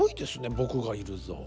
「僕がいるぞ！」